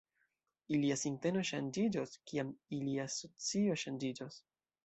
Ilia sinteno ŝanĝiĝos, kiam ilia socio ŝanĝiĝos.